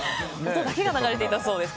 音だけが流れていたそうです。